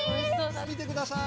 みてください！